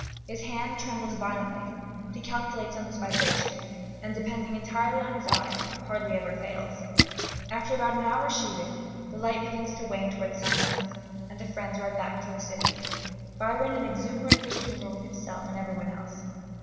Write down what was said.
His hand trembles violently, but he calculates on this vibration, and, depending entirely on his eye, hardly ever fails. After about an hour's shooting, the light begins to wane towards sunset: and the friends ride back to the city, Byron in exuberant good humour with himself and everybody else.